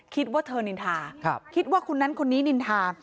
คิดว่าเธอนินทาคิดว่าคนนั้นคนนี้นินทา